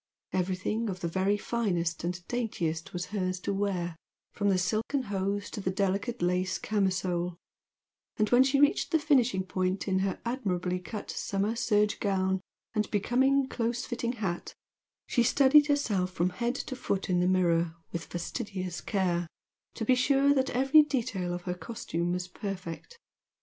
Everything of the very finest and daintiest was hers to wear, from the silken hose to the delicate lace camisole, and when she reached the finishing point in her admirably cut summer serge gown and becoming close fitting hat, she studied herself from head to foot in the mirror with fastidious care to be sure that every detail of her costume was perfect.